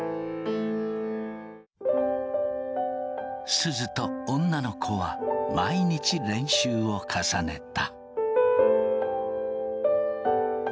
すずと女の子は毎日練習を重ねた。